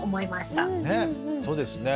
そうですね。